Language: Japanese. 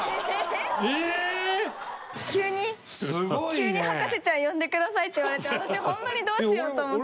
急に「博士ちゃん呼んでください」って言われて私ホントにどうしようと思って。